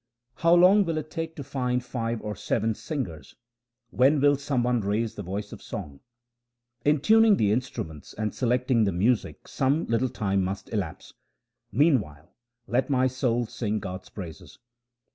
How long will it take to find five or seven singers ? When will some one raise the voice of song ? In tuning the instruments and selecting the music some little time must elapse ; meanwhile let my soul sing God's praises.